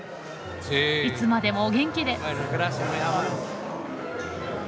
いつまでもお元気で！